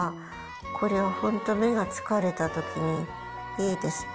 これは本当、目が疲れたときに、いいですね。